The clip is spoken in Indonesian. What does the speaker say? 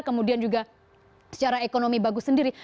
kemudian juga secara ekonomi bagus sendiri